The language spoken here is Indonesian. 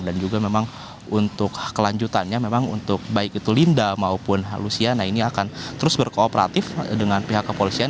dan juga memang untuk kelanjutannya memang untuk baik itu linda maupun lusiana ini akan terus berkooperatif dengan pihak kepolisian